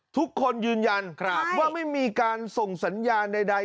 ทุกคนยืนยันว่าไม่มีการส่งสัญญาณใด